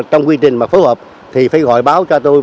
trong quy trình mà phối hợp thì phải gọi báo cho tôi